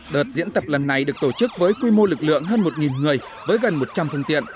đợt diễn tập lần này được tổ chức với quy mô lực lượng hơn một người với gần một trăm linh phương tiện